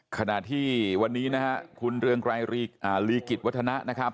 ขณะที่วันนี้นะฮะคุณเรืองไกรลีกิจวัฒนะนะครับ